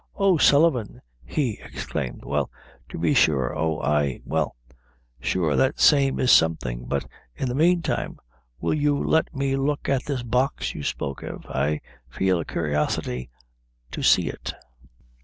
"Of Sullivan!" he exclaimed; "well, to be sure oh, ay well, sure that same is something; but, in the mane time, will you let me look at this Box you spoke of? I feel a curiosity to see it."